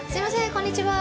こんにちは。